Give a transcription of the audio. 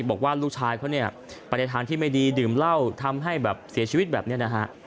บอกว่าลูกชายเขาเนี่ยไปในทางที่ไม่ดีดื่มเหล้าทำให้แบบเสียชีวิตแบบนี้นะฮะ